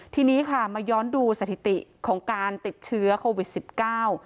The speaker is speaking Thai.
ทีนี้ค่ะมาย้อนดูสถิติของการติดเชื้อโควิดสิบเก้า